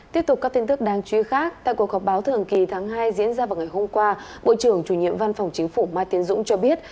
tiếp tục các tin tức đáng chú ý khác tại cuộc họp báo thường kỳ tháng hai diễn ra vào ngày hôm qua bộ trưởng chủ nhiệm văn phòng chính phủ mai tiến dũng cho biết